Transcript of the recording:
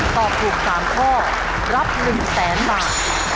ตอบถูกสามข้อรับหนึ่งแสนบาท